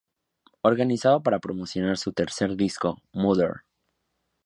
Organizado para promocionar su tercer disco "Mutter".